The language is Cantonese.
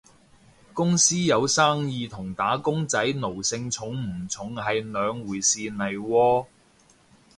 公司有生意同打工仔奴性重唔重係兩回事嚟喎